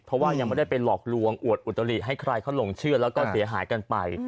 เพราะว่ายังไม่ได้ไปหลอกลวงอวดอุตลิให้ใครเขาหลงเชื่อแล้วก็เสียหายกันไป